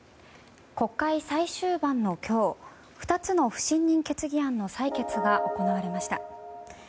国会最終盤の今日２つの不信任決議案の採決が行われました。